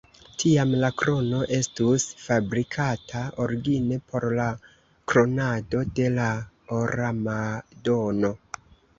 Tiam la krono estus fabrikata origine por la kronado de la Ora Madono.